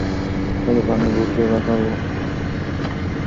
ফলে পানি পূর্বের আকার ধারণ করল।